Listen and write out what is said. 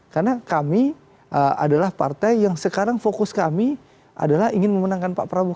karena kami adalah partai yang sekarang fokus kami adalah ingin memenangkan pak prabowo